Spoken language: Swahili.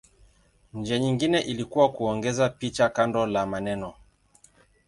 Njia nyingine ilikuwa kuongeza picha kando la maneno.